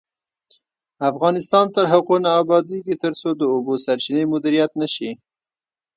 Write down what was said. افغانستان تر هغو نه ابادیږي، ترڅو د اوبو سرچینې مدیریت نشي.